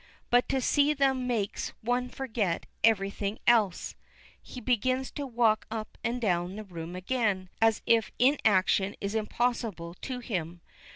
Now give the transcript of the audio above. But to see them makes one forget everything else." He begins his walk up and down the room again, as if inaction is impossible to him.